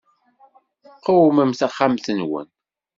Qewmem taxxamt-nwen.